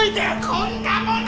こんなもの！